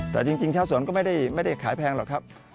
แต่จริงชาวสวนก็ไม่ได้ขายแพงหรอกครับ